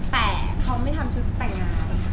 แต่เขาไม่ทำชุดแต่งงาน